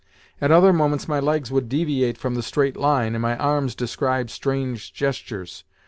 At other moments my legs would deviate from the straight line, and my arms describe strange gestures.